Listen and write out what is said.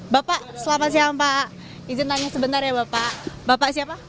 bapak selamat siang pak izin tanya sebentar ya bapak bapak siapa